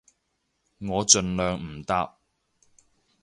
我盡量唔搭